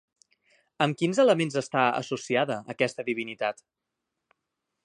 Amb quins elements està associada aquesta divinitat?